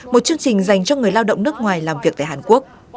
một chương trình dành cho người lao động nước ngoài làm việc tại hàn quốc